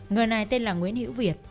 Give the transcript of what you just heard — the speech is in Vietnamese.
người này tên là nguyễn hữu việt